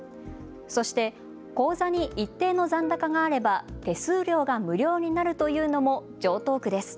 そして口座に一定の残高があれば手数料が無料になるというのも常とう句です。